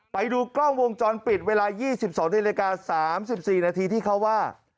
ไปดูกล้องวงจรปิดเวลา๒๒นาฬิกา๓๔นาทีที่เขาว่า